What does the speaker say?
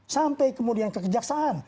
sampai kemudian kekejaksaan